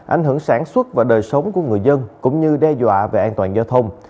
ảnh hưởng sản xuất và đời sống của người dân cũng như đe dọa về an toàn giao thông